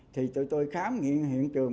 thì tụi tôi khám nghiệm hiện trường